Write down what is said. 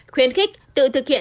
khuyến khích tự thực hiện